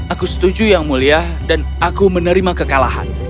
aku setuju yang mulia dan aku menerima kekalahan